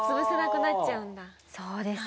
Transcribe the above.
そうです。